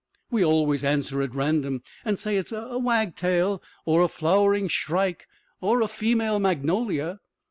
We always answer at random and say it's a wagtail or a flowering shrike or a female magnolia.